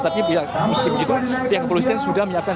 tapi meski begitu pihak kepolisian sudah menyiapkan